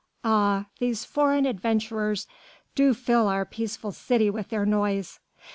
Ah! these foreign adventurers do fill our peaceful city with their noise."